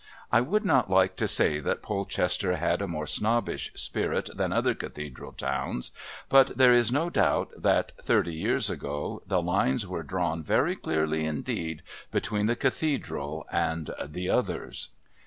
I would not like to say that Polchester had a more snobbish spirit than other Cathedral towns, but there is no doubt that, thirty years ago, the lines were drawn very clearly indeed between the "Cathedral" and the "Others."